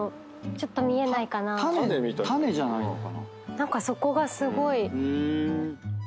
何かそこがすごい。